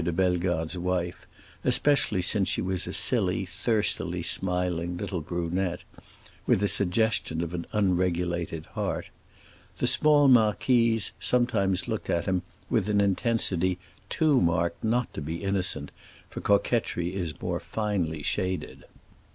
de Bellegarde's wife, especially since she was a silly, thirstily smiling little brunette, with a suggestion of an unregulated heart. The small marquise sometimes looked at him with an intensity too marked not to be innocent, for coquetry is more finely shaded.